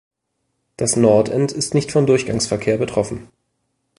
Das Nordend ist nicht von Durchgangsverkehr betroffen.